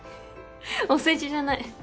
お世辞じゃない。